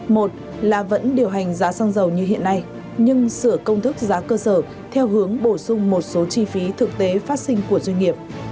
một là vẫn điều hành giá xăng dầu như hiện nay nhưng sửa công thức giá cơ sở theo hướng bổ sung một số chi phí thực tế phát sinh của doanh nghiệp